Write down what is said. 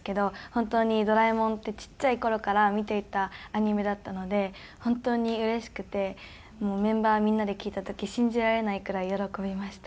本当に『ドラえもん』ってちっちゃい頃から見ていたアニメだったので本当にうれしくてメンバーみんなで聞いた時信じられないくらい喜びました。